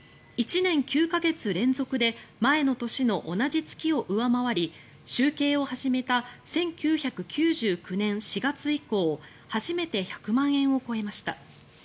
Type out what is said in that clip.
１年９か月連続で前の年の同じ月を上回り集計を始めた１９９９年４月以降初めて１００万円を超えました。